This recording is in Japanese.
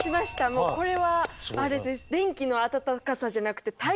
もうこれはあれです。